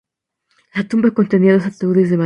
La tumba contenía dos ataúdes de madera.